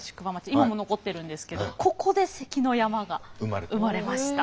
今も残ってるんですけどここで「関の山」が生まれました。